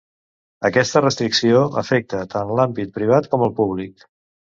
Aquesta restricció afecta tant l'àmbit privat com el públic.